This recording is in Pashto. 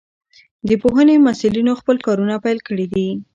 د پوهنې مسئولينو خپل کارونه پيل کړي دي.